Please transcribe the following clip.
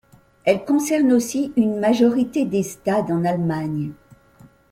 Elle concerne aussi une majorité des stades en Allemagne.